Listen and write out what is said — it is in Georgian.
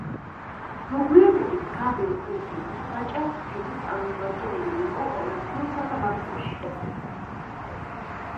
მოგვიანებით გავრილ კუდრინი ვაჭართა ფენის წარმომადგენელი იყო კომერციულ სასამართლოში.